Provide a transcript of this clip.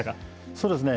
そうですね。